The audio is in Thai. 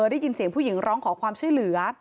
ได้ยินเสียงผู้หญิงร้องขอความช่วยเหลือ